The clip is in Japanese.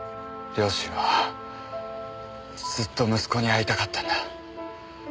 両親はずっと息子に会いたかったんだ。